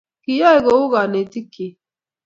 kiyoe kou kanetik kyi